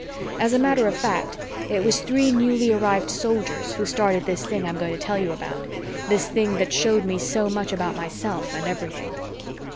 As a matter of fact, it was three newly arrived Soldiers who started this thing I'm going to tell you about, this thing that showed me so much about myself and everything.